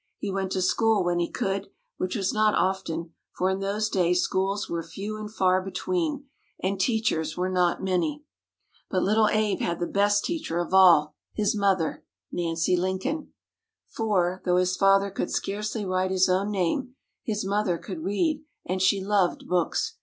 He went to school when he could, which was not often, for in those days schools were few and far between, and teachers were not many. But little Abe had the best teacher of all, his mother, Nancy Lincoln. For, though his father could scarcely write his own name, his mother could read, and she loved books.